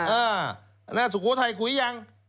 อ่าน่ะสุโกธัยคุยยัง